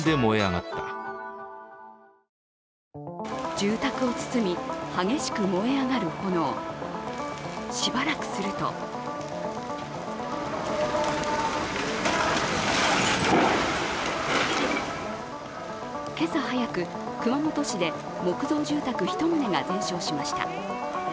住宅を包み、激しく燃え上がる炎しばらくすると今朝早く、熊本市で木造住宅１棟が全焼しました。